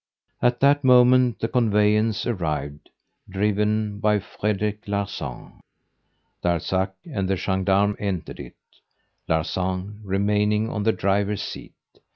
At that moment the conveyance arrived, driven by Frederic Larsan. Darzac and the gendarme entered it, Larsan remaining on the driver's seat.